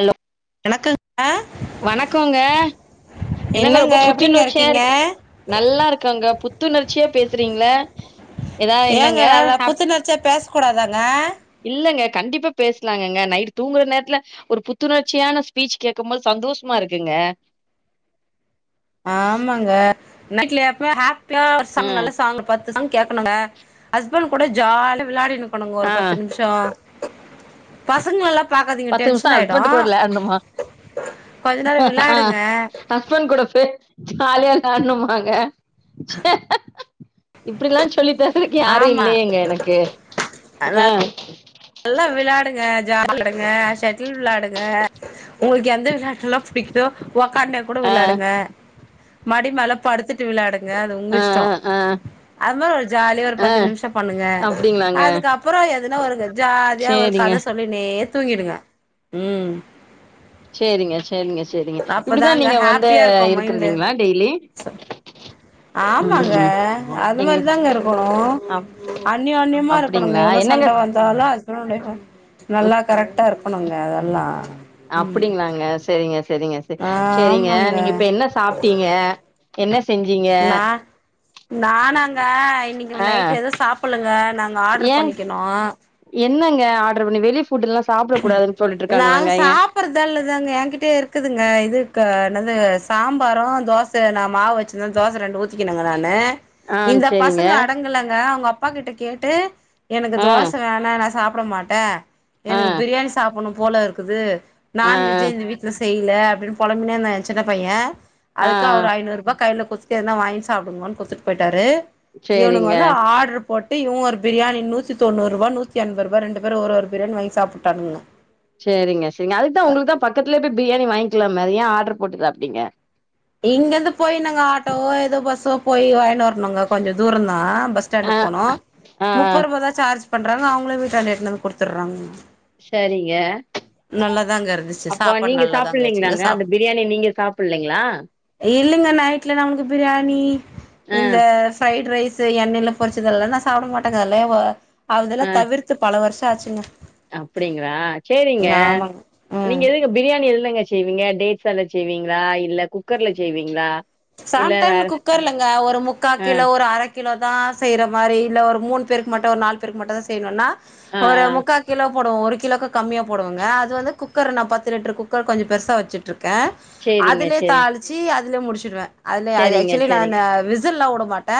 Allow வணக்கங்க வணக்கங்கோ என்னங்க ரொம்ப எப்படிங்க புத்துணர்ச்சியா இருக்கீங்க இருக் நல்லா இருக்கோங்க புத்துணர்ச்சியா பேசிறீங்ளே எதாவ் என்னங்க ஹப் ச்ச பேசக்கூடாதாங்க இல்லங்க கண்டிப்பா பேசலாங்கங்க நைட்டு தூங்ற நேரத்துல ஒரு புத்துணர்ச்சியான ஸ்பீச் கேக்கும் போது சந்தோஷ்மா இருக்குங்க ஆமாங்க நைட்ல எப்மே ஹாப்பியா ஒரு சாங் ம். நல்ல சாங்கு பாத்து சாங் கேக்கணுங்க ஹஸ்பண்ட் கூட ஜாலியா வெளயாடினு இருக்ணுங்க ஒரு ஆ பத்து நிம்ஷோ பசங்களல்லாப் பாக்காதீங்க நிமிஷம் டென்ஷன் ஆயிடு ஹஸ்பண்ட் கூட விளையாடணுமா? கொஞ்ச நேரோ விளாடுங்க ஹஸ்பெண்ட் கூட போய் ஜாலியா விளான்னுமாங்க ச்ச இப்பிடிலா சொல்லி பேசற்துக்கு யாரு ஆமா இல்லையேங்க எனக்கு நல்லா அ நல்லா விளாடுங்க ஜால் [inaudible] விளாடுங்க ஷெட்டில் விளாடுங்க உங்ளுக்கு எந்த விளாயாட்லா புடிக்கிதோ ஒக்காண்னே கூட ஆ விளாடுங்க மடி மேல படுத்துட்டு விளாடுங்க அது உங்க ஆ இஷ்டோ ஆ ஆ அவ ஜாலியா ஒரு ஆ பத்து நிம்ஷோ பண்ணுங்க அப்படிங்களாங்க. அதுகப் அப்றோ எதுனா ஒரு ஜாதியா ஒரு சேரிங்க. கத சொல்லிக்கினே தூங்கிடுங்க ம் செரிங்க செரிங்க செரிங்க இப்டிதா அப்பதாங்க நீங்க வந்து ஹாப்பியா இருக்கு மைண்டு இருக்குறுதீங்ளா டெய்லி ம் ம் ஆமாங்க ம் அது எங்களுக்கு மாரிதாங்க இருக்கனு அப் அந்நியோ அந்நியோமா இருக்கனுங்க அப்டிங்களா எவ்ளோ என்னங்க சண்ட வந் தாலோ ஹஸ்பெண் அன் ஒய்ஃப்பு நல்லா கரெக்டா இருக்கணுங்க அதெல்லா ம் அப்டிங்களாங்க செரிங்க செரிங்க செர் செரிங்க ஆமாங்க நீங்க இப்ப என்ன சாப்ட்டீங்க என்ன செஞ்சீங்க நா நானாங்க இன்னிக்கி ஆ நைட்டு எதுவு சாப்பல்லங்க நாங்க ஆர்ட்ரு ஏன் பண்ணிக்கணு என்னங்க ஆர்டிரு பண்ணி வெளி ஃப்புட்ல்லா சாப்ட கூடாதுன் சொல்லிட்ருக்காங்ளேங்க ஏ சாப்பற்றதால்லதாங்க ஏ கிட்டேயே இருக்குதுங்க இது க்கு இன்னேது சாம்பாரோ தோஸ் த நா மாவ் வச்சிந்தே தோச ரெண்டு ஊத்திக்கினேங்க நானு ஆ இந்த சேரிங்க பசங்க அடங்கலங்க அவுங்க அப்பாகிட்ட கேட்டு எனக்கு ஆ தோச வேணா நா சாப்ட மாட்டே ஆ எனுக்கு பிரியாணி சாப்புண்ணு போல இருக்குது ஆ ஆ நான்வெஜ்யே இந்த வீ ட்ல செய்லே அப்டின் பொலம்பினேயிந்தா ஏ சின்ன பைய ஆ அதுக்கு அவரு ஐநூறுபா கைல குத் எதுனா வாங்கி சாப்டுங்கோன் குத்துட் போய்ட்டாரு இவுனுங்க சேரிங்க வந்து ஆர்டுரு போட்டு இவ ஒரு பிரியாணி நூத்திதொண்ணூறுபா நூத்தி என்பருபா ரெண்டு பேரோ ஒரு ஒரு பிரியாணி வாங்கி சாப்புட்டானுங்க செரிங்க செரிங்க அதுக்குதா உங்ளுக்தா பக்கத்துலேயப்போய் பிரியாணி வாங்கிலாமே அது ஏ ஆர்ரு போட்டு சாப்டிங்க இங்கிந்து போய் நாங்க ஆட்டோவோ எதோ பஸ்ஸோ போய் வாயினு வரணுங்க கொஞ்ச தூரோ தா பஸ் ஆ ஸ்டாண்டுக் போனோ ஆ முப்பர் ருவாதா சார்ஜ் பண்றாங்க அவுங்களே வீட்டாண்டே எத்துன்னு குடுத்துற்றாங் சரிங்க இருந்துச்சு அப்போ சாப்பாடு நீங்க நல்லாதாங்கச்சுங்க சாப்பில்லீங்களாங்க அந்த பிரியாணி நீங்க சாப்பில்லிங்களா இல்லங்க நைட்ல நமக்கு பிரியாணி ஆ இந்த ஃரைட் ரைஸ் செ எண்ணெயில பொரிச்சதெல்லா நா சாப்ட மாட்டேங்க அல்லே வ அதல்லா தவிர்த்து பல வருஷ ஆச்சுங்க அப்படிங்களா சேரிங்க ஆமாங்க ம் நீங்க எதுக்கு பிரியாணி எதுலங்க செய்வீங்க டேட்ஸ்சால செய்வீங்களா இல்ல குக்கர்ல செய்வீங்களா இல்ல சான் டான்னு வேற குக்கர்லங்க ஒரு முக்கா ஆ கிலோ ஒரு அரக் கிலோ தா செய்யற மாரி இல்ல ஒரு மூன் பேருக்கு மட்டு ஒரு நால் பேருக்கு மட்டு தா செய்யணுன்னா ஆ ஆ ஒரு முக்கா கிலோ போடுவோ ஒரு கிலோக்கு கம்மியா போடுவங்க அது வந்து குக்கர் நா பத்து லிட்டரு குக்கர் கொஞ்ச பெருசா வச்சிட்டுருக்க சேரிங்க அதுலயே சேரிங் தாளிச்சு அதுலே முடிச்சுடுவே அதுலே அது சேரிங்க ஆக்சுலி சேரிங் நான்னு வி சில்லா உட மாட்ட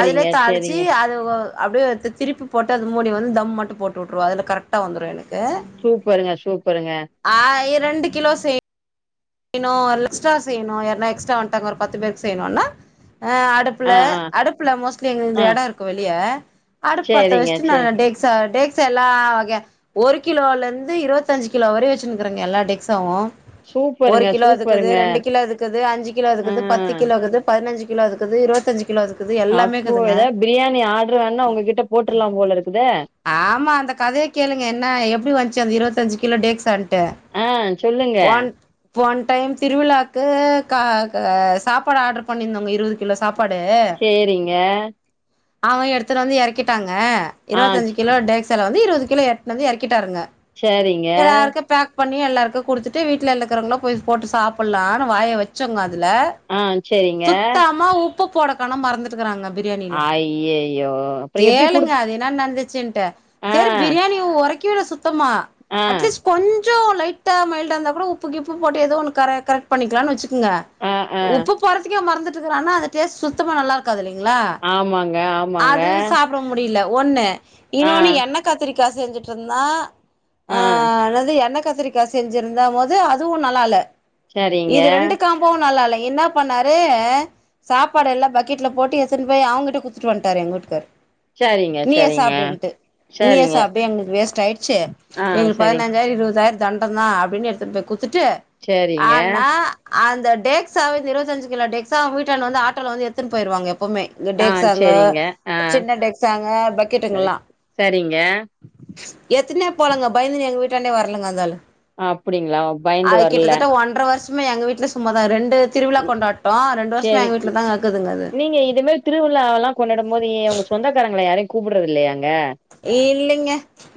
அதுலயே தள்ளிச்சி சேரிங்க அதுவ் அப்டியே திருப்பி போட்டு அது மூடி வந்து தம் மட்டு போட்டு உட்டுருவ அதுல கரெக்டா வந்துரு எனக்கு சூப்பருங்க சூப்பருங்க ஆ இ ரெண்டு கிலோ செ ய்ணு எக்ஸ்ட்ரா செய்ணு எக்ஸ்ட்ரா வட்டாங்க ஒரு பத்து பேர்க் செய்யணுன்னா அ அடு ப்புல ஆ ஆ அடுப்புல மோஸ்லி எங்கது ஆ எட இருக்கு வெளிய அடுப் பத்த சேரிங்க வச்சுட்டு நா சேரி டேக் ச டேக்ஸ் எல்லா வக ஒரு கிலோல இந்து இருவத்தஞ்சு கிலோ வரயு வச்சுன்னுக்கறேங்க எல்லா டெக்ஸாவு ஒரு சூப்பருங்க கிலோ அதுக்குது சூப்பருங்க ரெண்டு கிலோ அதுக் குது அஞ்சு கிலோ ஆ அதுகிது பத்து கிலோக்குது பதனஞ்சு கிலோ அதுக்குது இருவத்தஞ்சு கிலோ இருக் அப்போ எதாது பிரியாணி ஆர்டரு வேனா உங்ககிட்ட போட்டுர்லா போல இருக்குதே ஆமா அந்த கதய கேளுங்க என்ன எப்டி வந்ச்சு அந்த இருவத்தஞ்சு கிலோ டேக்ஸான்ட்டு ஆ சொல்லுங்க ஒன் போன டைம் திருவிழாக்கு க க சாப்பாடு ஆர்டர் பண்ணியிருந்தோங்க இருபது கிலோ சாப்பாடு சேரிங்க அவன் எடுத்துட்டு வந்து இறக்கிட்டாங்க ஆ இருபத்தஞ்சு கிலோ டேக்சிலா வந்து இருவது கிலோ எடுத்துன்னு வந்து இறக்கிட்டாருங்க சரிங்க எல்லாருக்கு பேக் பண்ணி எல்லாருக்கு கொடுத்துட்டு விட்ல இருக்கிறவங்களா போய் போட்டு சாப்படலான்னு வாய வச்சோங்க அதுல ஆ செரிங்க சுத்தமா உப்பு போடக்கணோ மறந்துட்டுக்கறாங்க பிரியாணியில ஐய்யய்யோ அப்புறம் எப்டி கேளுங்க குடுத் அது என்ன நடந்து சீன்ட்டு ஆ சேரி பிரியாணி உரைக்கவு இல்ல சுத்தமா ஆ அட்லீஸ்ட் கொஞ்சோ லைட்ட மைல்ட இருந்தா கூட உப்பு கிப்பு போட்டு ஏதோ ஒன்னு கர கரெக்ட் பண்ணிக்கலான்னு வச்சுக்குங்க ஆ ஆ உப்பு போறத்துக்கே மறந்துட்டுக்கறான அந்த டேஸ்ட் சுத்தமா நல்லா இரு காதுயில்லைங்களா ஆமாங்க ஆமாங்க அது சப் பட முடியல ஒண்ணு ஆ இன்னொன்னு என்ன கத்திரிக்கா செஞ்சுட்டு இருந்தா ஆ அதாது எண்ணெ கத்திரிக்கா செஞ்சுருந்த போது அதுவு நல்லா இல்ல சரிங்க இது ரெண்டு காம்போ நல்லா இல்ல என்ன பண்ணாரு சாப்பாடு எல்லா பக்கெட்லா போட்டு எடுத்துன்னு போய் அவங்க கிட்ட குடுத்துட்டு வந்துட்டாரு எங்க வீட்டு்காரு சரிங்க சரிங்க நீயே சரிங்க சாப்டு எங்களுக்கு வேஸ்ட் ஆயிடுச்சு ஆ எங்களுக்கு சரிங் பதின ஞ்சாயிர இருபதாயிர தண்டாதா அப்டின்னு எடுத்துட்டு போய் குடுத்துட்டு சரிங்க ஆனா அந்த டேக்ஸாவ இருவந்தஞ்சி கிலோ டெக்ஸா வீட்டன்டா வந்து ஆட்டோல வந்து எடுத்துட்டு போயிருவாங்க எப்புமே இங்க ஆ டேக்சாங்க சரிங்க ஆ சின்ன டேக்சாங்க சரி பக்கெட்டுங்கெல்லா சரிங்க எடுத்துனே போலங்க பயந்துனு எங்க வீட்டாண்டே வரலங்க அந்தாலு அப்டிங்களா பயந்து அது வரல கிட்டத்தட்ட ஒன்றர வருஷமே எங்க வீட்டுல சும்மாதா ரெண்டு திருவிழா இ கொண்டா டோ ரெண்டு வருஷமா சரி எங்க இ வீட்டுல தா இருக்குதுங்க அது நீங்க இதுமேல் திருவிழாவெல்லா கொண்டாடும் போது உங்க சொந்தக்காரங்கள யாரையும் கூப்ட்றது இல்லையாங்க இல்லைங்க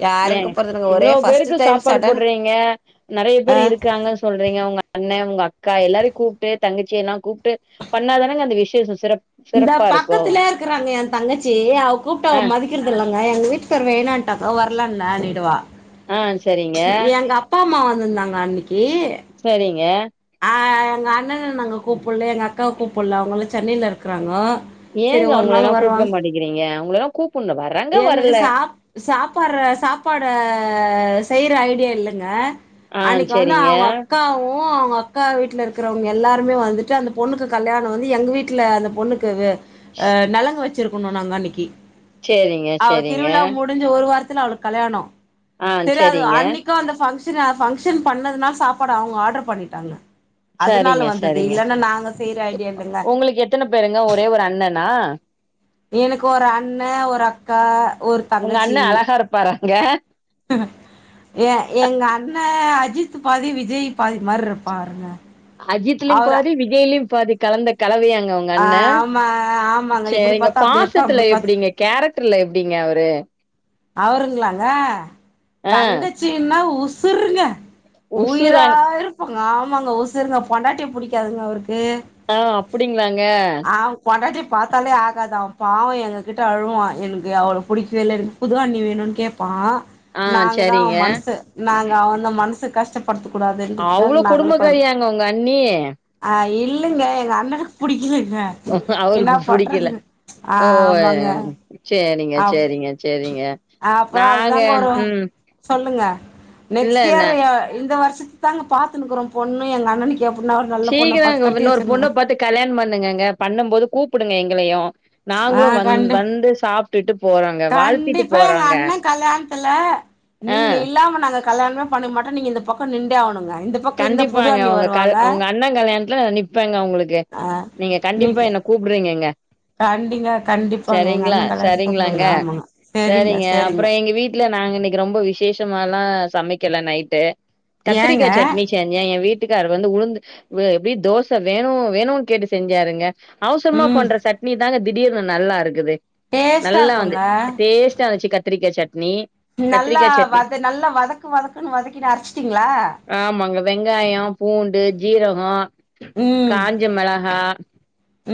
யாரையு ஏங்க கூப்பறதுல்லங்க இவ்வளோ ஒரே ஃபர்ஸ்ட் பேருக்கு டைம் சாப்பாடு சடனா போடுறீங்க நெறைய பேர் ஆ இருக்காங்க சொல்றீங்க உங்க அண்ண உங்க அக்கா எல்லாரையு கூப்ட்டு தங்கச்சி எல்லா கூப் ட்டு பண்ணாதானங்க அந்த விஷேசம் சிறப் இந்தா சிறப்பா இருக்கு பக்கத்திலே இருக்றாங்க ஏ தங்கச்சி அவ கூப்பிட்ட அவ ஆ மதிக் கிறதில்லங்க எங்க வீட்டுக்கார் வேணான்ட்டாக வரல நானிடுவா ஆ சரிங்க எங்க அப் அப்பா அம்மா வந்திருந்தாங்க அன்னைக்கி செரிங்க ஆ. ஆ எங்க அண்ணன நாங்க கூப்புல ஏ அக்காவ கூப்புல அவங்கலா சென்னையில இருக்குறாங்க ஏங்க அவங்களெல்லா கூப்ட மாட்டேங்கிறீங்க அவங்களல்ல கூப்புடனு பா எங்களுக்கு சா சாப்புற சாப்பாட செய்யுற ஐடியா இல்லங்க ஆ அன்னைக்கு வந்து சரிங்க அவங்க அக்காவு. அவங்க அக்கா வீட்ல இருக்கிறவங்க எல்லாருமே வந்துட்டு அந்த பொண்ணுக்கு கல்யாண வந்து எங்க வீட்ல அந்த பொண்ணுக்கு ஆ நலங்கு வச்சிருக்கணு நாங்க அன்னைக்கி சேரி அவ திருவிழா முடிஞ்சு ஒரு வாரத்துல அவளுக்கு கல்யாணோ ஆ தெரியாதோ சரிங்க அன்னைக்கு அந்த ஃபங்ஷ ன்னு ஃபங்ஷன் பண்ணதுனால சாப்பாடு அவங்க ஆர்டர் பண்ணிடாங்க அதனால சரிங்க வந்தது சரிங்க இல்லன்னா நாங்க செய்ற ஐடியா இல்லங்க உங்களுக்கு எத்தன பேருங்க ஒரே ஒரு அண்ணனா எனக்கு ஒரு அண்ணெ ஒரு அக்கா ஒருத் உங்க அண்ணெ அழகா இருப்பாரங்க ஏ எங்க அண்ணெ அஜித் பாதி விஜய் பாதி மாரி இருப்பாருங்க அஜித்திலூ அவரு பாதி விஜய்லயூ பாதி கலந்த கலவையாங்க உங்க அண்ணே உங்க ஆமா அண்ணே ஆமாங்க இப்டி சரிங்க பாத்தா அப்டி இருப்பா அப்டி பாசத்துல பாத் எப்டிங்க கேரக்டர்ல எப்டிங்க அவரு உங் அவருங்களாங்க ஆ தங்கச்சினா உசுருங்க உயிரா உசுராங் இருப்பாங்க ஆமாங்க ஊசுருங்க பொண்டாட்டிய புடிக்காதுங்க அவருக்கு ஆ அப்டிங்ளாங்க ஆ பொண்டாட்டி பாத்தாலே ஆகாது அவெ பாவே எங்க கிட்ட அழுவா எனக்கு அவள புடிக்கவே இல்லன்னு புது அண்ணி வேணுன் கேப்பா ஆ நாங்க தா சரிங்க அவன் மன்சு நாங்க அவந்த மனசு கஷ்டப் படுத்தக்க கூடாதுன்றதுக்க அவ்ளோ நாங்களுக்கு கொஞ்சொ கொடுமக்காரியாங்க உங்க அண்ணி இல்லங்க எங்க அண்ணே புடிக்கலங்க என்னா அவருக்கு அவெ புடிக்கல பண்றது ஓ ஆமாங்க சேரிங்க அப் சேரிங்க சேரிங்க அப்றோ நாங்க அதுதாங்க வரூ ம் சொல்லுங்க இல்ல நெக்ஸ்ட் இயர் நா எ இந்த வருஷத்து தாங்க பாத்துனுக்குறோ பொண்ணு எங்க அண்ணனுக் எப்புன்னா ஒரு நல்ல பொண்ண பாத்து கட்டி வச்சிருன் கல்யாண் பண்ணுங்கங்க பண்ணும் போது கூப்பிடுங்க எங்களையூ ஆ நாங்களும் வந் கண்டு வந்து சாப் ட்டுட்டு போறாங்க கண்டிப்பா எங்க அண்ணெ கல்யாணத்துல ஆ நீங்க இல்லாம நாங்க கல்யாணமே பண்ண மாட்டே நீங்க இந்த பக்கோ நின்டே ஆகணுங்க இந்த பக்கம் இந்த புது அண்ணி வருவாங்க உங் அண்ணே கல்யாணத்துல நிப்பாங்க உங்களுக்கு ஆ நீங்க கண்டிப்பா நீங்க என்ன கூப்பட்றீங்கங்க கண்டிங்க கண்டிப்பாங்க எங்க சரிங்களா அண்ண கல்யாணத்துக்கு சரிங்களாங்க கூப்டுங்க ஆமாங்க செரிங்க சரிங்க செரிங்க அப்றோ எங்க வீட் இல்ல நாங்க இன்னிக்கு ரொம்ப விசேஷமால்லா சமைக்கல நைட்டு ஏங்க கத்ரிக்கா சட் செஞ்சே என் வீட்டுக்கார் வந்து உளுந்து அப்டி தோச வேணு வேணும்னு கேட்டு செஞ்சாருங்க அவுசுரமா ம் பண்ற சட்னி தாங்க திடீர்னு நல்லா இருக்குது டேஸ்ட்டா நல்லா வந்து இருக்குங்க டேஸ்டா வந்ச்சு கத்ரிக்கா சட்னி நல்லா கத்திரிக்கா சட்னி வத நல்லா வதக் வதக்ன்னு வதக்கின்னு அரச்சிட்டீங்களா ஆமாங்க வெங்காயோ பூண்டு ஜீரகோ ம் காஞ்ச மெளகா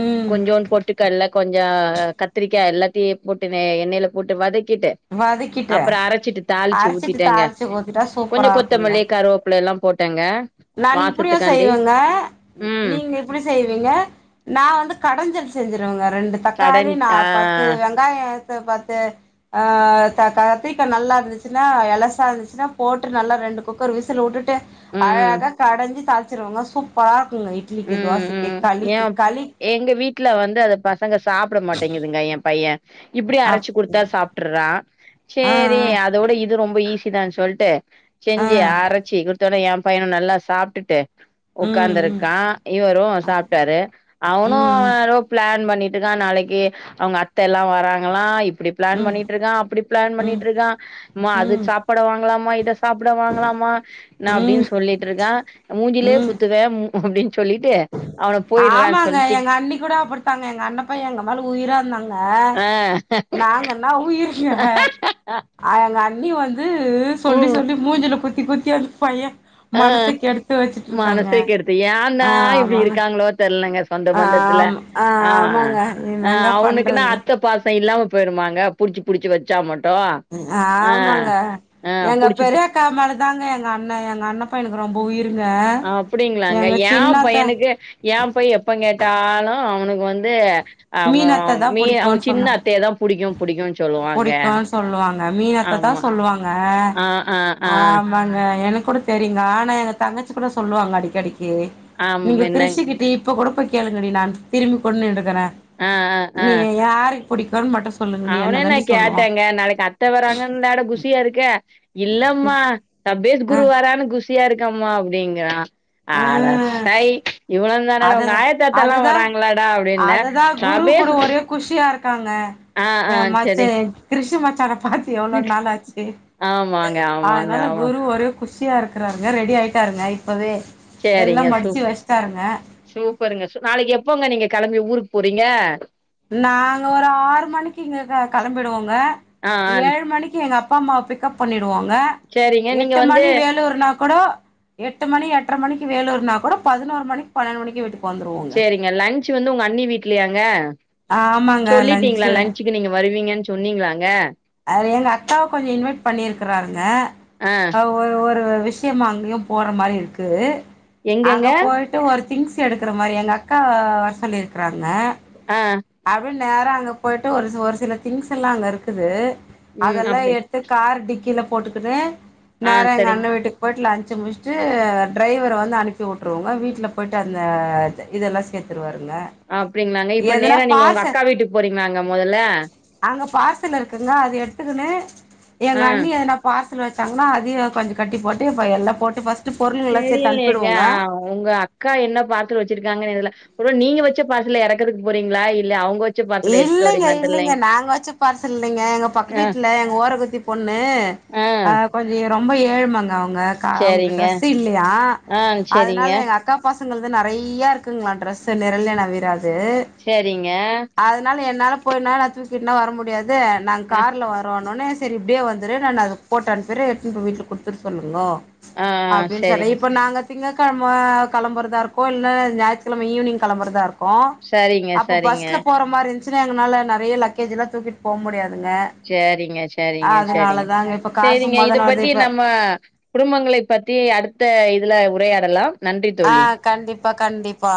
ம் கொஞ்சோன்ட் பொட்டு ககல்ல கொஞ்சோ அ கத்திரிக்கா எல்லாத்தையு போட்டு எண்ணெய்யில போட்டு வதக்கிட்டு வதக்கிட்டு அப்றோ அரச்சிட்டு தாளிச்சு அரச்சிட்டு ஊத்திட்டேங்க தாளிச்சு ஊத்திட்டா கொஞ்சோ சூப்பரா கொத்தமல்லி கருவோப் புள எல்லா போட்டேங்க நா இப்டியூ செய்வேங்க ம் நீங்க இப் இப்டி செய்வீங்க நா வந்து கடஞ்சல் செஞ்சிருவேங்க ரெண்டு தக்காளி கடன் நா ஆ பத்து வெங் காயோ எத்து பத்து அ க கத்திரிக்கா நல்லா இருந்துச்சுன்னா எலசா இருந்துச்சுன்னா போட்டு நல்லா ரெண்டு குக்கர் விசில் உட்டுட்டு ட்டு ம் அழகா கடஞ்சி தாளிச்சிருவங்க சூப்பரா இருக்குங்க இட்லிக்கி தோசக்கி ஏம் எங்க வீட்ல வந்து அத பசங்க சாப்ட மாட்டேங்குதுங்க ஏ பையே இப்டியே அப் அரைச்சு குடுத்தா சாப்ட்டுறா ஆ சொரி அதோட ‌இத் இது ரொம்ப ஈஸி தா சொல்ட்டு ஆ ஆ செஞ்சு அரச்சி குடுத்தோட்னே ஏ பையனோ நல்லா சாப்ட்டுட்டு ம் ஒக்காந்துருக்கா இவரோ சாப்ட்டாரு அவனோ ம் எதே பிளான் பண்ணிட்டு இருக்கான் நாளக்கி அவுங்க அத்தெல்லா வராங்களா இப்டி ம் பிளான் ம் பண்ணிட்டு இருக்கான் அப்டிப் பிளான் ம் பண்ணிட்டு இருக்கான் மா அது ம் சாப்ட வாங்கலாமா இத சாப்ட வாங்கலாமா நா ம் அப்டின்னு சொல்லிட்டு இருக்கே ம் மூஞ்சிலே ம் குத்துவே அப்டின் சொல்லிட்டு அவன போயிடுறான்னு ஆமாங்க சொல்லி திட் எங்க அண்ணி கூட அப்டித்தாங்க எங்க அண்ணப்பயே எங்க மேல உயிரா இருந்தாங் ங்க ஆ நாங்கன்னா உயிருங்க ‌ஆ எங்க அண்ணி வந் அது சொல்லி ம் சொல்லி மூஞ்சுல குத்தி குத்தி அந்து பைய அ மனச கெடுத்து வச்சுட்டு இருக்காங்க மனச கெடுத்து ஏந்தா ஆ இப்டி ஆமாங்க இருக்காங்ளோ தெர்லங்க சொந்த ஆ பந்தத்துல ஆம் ஆ அ ஆமாங்க அ என்னங்க அவுனுக்னா பண்றது அத்த பாசோ இல்லாம போயிருமாங்க புடிச்சு புடிச்சு வெச்சா மட்டோ ஆமாங்க எங்க புடிச்சு பெரியக்கா மேல தாங்க எங்க அண்ண எங்க அண்ண பையனுக்கு ரொம்ப உயிருங்க எங்க சின்னத்த எ பைய எப்ப கேட்டாலு அவனுக்கு வந்து அவுங்க மீனத்ததா மீ அவுங்க சின்ன அத்தையதா புடிக்கு புடிக்கு புடிக்கோ சொல்லுவாங்க மீனா அத்த தா ஆமா சொல்லுவாங்க ஆ ஆ ஆ அ தாங்க எனக் கூட தெரியுங் ஆனா எங்க தங்கச்சி கூட சொல்லுவாங்க அடிக்கடிக்கி ஆம் நீங்க என்னங் கிரிஷ்ஷு கிட்ட இப்ப கூட போய் கேளுங்கடி நா திரும்பி கூட நின்டுக்குற ஆ ஆ ஆ நீ யாருக்கு புடிக்கன்னு மட்டோ சொல்லுங்கடி என்ன தாண்டி சொல்லுவா கேட்டங்க நாளைக்கு அத்த வராங்கன்னா டா குஷியா இருக்க இல்லம்மா சபேஸ் ஆ குரு வ ரான்னு குஷியா இருக்கம்மா அப்டிங்குறா ஆ அட சை இவ்ளோ தானடா உங்க அததா ஆயத்தாத்தால்லா அததா வராங்ளடா அப்டின்ன அததா குரு கூட ஒரே குஷியா இருக்காங்க ஆ ஆ எ மச்ச செரிங் கிருஷு மச்சான பாத் து எவ்ளோ நாள் ஆச்சி ஆமாங்க ஆமாங்க அதனால ஆமா குரு ஒரே குஷியா இருக்கிறாருங்க ரெடி ஆயிட்டாருங்க இப்பவே எல்லா சேரிங்க மடிச்சு வச்சுட்டாருங்க சூப் பருங்க நாளைக்கி எப்போங்க நீங்க கெளம்பி ஊருக்கு போறீங்க நாங்க ஒரு ஆறு மணிக்கு இங்க க கெளம்பிடுவோங்க ஆ ஆ ஏழு மணிக்கு எங்க அப்பா அம்மாவ பிக் கப் பண்ணிடுவோங்க சேரிங்க நீங்க எட்டு வந்து மணி வேலூர்னா கூடோ எட்டு மணி எட்ர மணிக்கு வேலூர்னா கூடோ பதினோரு மணிக்கு பன்னெண்டு மணிக்கு வீட்டுக்கு வந்துருவோங்க இங்க லஞ்ச் வந்து உங்க அண்ணி வீட்லயாங்க ஆமாங்க சொல்லிட்டீங்ளா லன்ச்சு லஞ்ச் க்கு நீங்க வருவீங்கன்னு சொன்னீங்களாங்க அவரு எங்க அக்காவ கொஞ்சோ இன்வட் பண்ணிருக்கறாருங்க ஆ அவோ ஒரு ஒரு விஷயமா அங்கயு போற மாரி இருக்கு எங்கெங்க அங்க போயி ட்டு ஒரு திங்ஸ் எடுக்குற மாரி எங்க அக்கா வர சொல்லிருக்குறாங்க அ அப்டின்னு நேரா அங்க போயிட்டு ஒரு ஒரு சில திங்ஸ் எல்லா அங்க இருக்குது ம் அதெல்லா அப்டி எ டுத்து கார் டிக்கில போட்டுக்கின்னு ஆ நேரா எங்க சரிங் அண்ண வீட்டுக்கு போய்ட்டு லன்ச்சு முடிச்ட்டு டிரைவர வந்து அனுப்பி விட்ருவோங்க வீட்ல போயி்ட்டு அந்த இதெல்லா சேர்த்துருவாருங்க அப்படிங்களாங்க இப்ப நேரா நீங்க உங்க பார்சல் அக்கா வீட்டுக்கு போறீங்களாங்க மொதல்ல அங்க பார்சல் இருக்குங்க அது எத்துக்குனு எங்க ஆ அண்ணி எதனா பார்சல் வெச்சாங்கா அதையு கொஞ்ச கட்டி போட்டு இப்ப எல்லா போட்டு பஸ்டு பொருள்கல்லா சேத்து தெரியலையேங்க அனுப்பிடுவோங்க ஆ உங்க அக்கா என்ன பார்சல் வெச்சிருக்காங்கன்னு எதுல நீங்க வச்ச பார்சல இறக்கறக்கு போறீங்களா இல்ல அவங்கச்ச இல்லைங்க இல்லைங்க நாங்க வெச்ச பார்சல் இல்லைங்க எங்க பக்கத்து ஆ வீட்ல எங்க ஓரகத்தி பொண்ணு ஆ அ கொஞ்ச ரொம்ப ஏழுமங்க அவுங்க கா அவங்ளுக்கு சரிங்க ட்ரெஸ் இல்லையா ஆ அதனால சரிங்க எங்க அக் அக்கா பாசங்கள்து நெறையா இருக்குங்களா ட்ரெஸ்ஸ நிரல் ந விராது சேரிங்க அதனால என்னால போயி நேரா தூக்கட்லா வர முடியாது நாங் ஆ கார்ல வரோனனே சேரி இப்டியே வந்துரு நான் அது போட்டு அனுப்பிறேன் எடுத்ட்டு போயி வீட்ல குடுத்துட சொல்லுங்கோ ஆ அப்டின்னு சரி சொன்ன இப்போ நாங்க திங்கக்கெழம களம்புறதா இருக்கோ இல்ல ஞாயித்துக்கெழம ஈவினிங் களம்புறதா இருக் கோ சரிங்க அப்ப சரிங்க பஸ்ல போற மாரி இருந்துச்சுன்னா எங்களனால நறைய லக்கேஜ் எல்லா தூக்கிட்டு போ முடியாதுங்க சேரிங்க சேரிங்க சேரிங்க அதனாலதாங்க இப்ப கார் சேரிங்க இத சும்மாதான வருது பத்தி இப்ப நம்ம குடும்பங்களை பத்தி அடுத்த இதுல உரையாடலாம் நன்றி ஆ தோழி கண்டிப்பா கண்டிப்பா